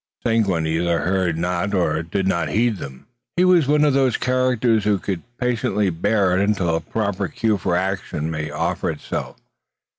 Seguin either heard not or did not heed them. He was one of those characters who can patiently bear until a proper cue for action may offer itself.